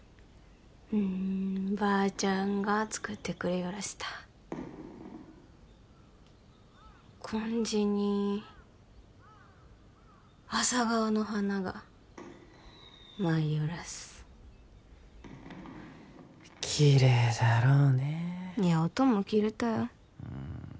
うーんばーちゃんが作ってくれよらした紺地にアサガオの花が舞いよらすきれいだろうねいや音も着るとよ